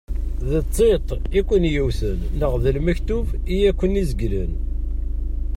D tiṭ iken-yewten neɣ d lmektub i aken-izeglen.